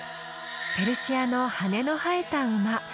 ペルシアの羽の生えた馬。